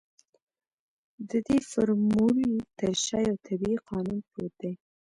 د دې فورمول تر شا يو طبيعي قانون پروت دی.